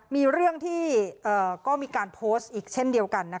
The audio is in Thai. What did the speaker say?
มีเรื่องที่ก็มีการโพสต์อีกเช่นเดียวกัน